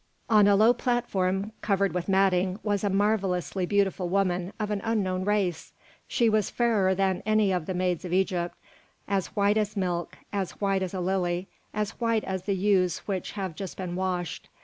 On a low platform covered with matting was a marvellously beautiful woman of an unknown race. She was fairer than any of the maids of Egypt, as white as milk, as white as a lily, as white as the ewes which have just been washed.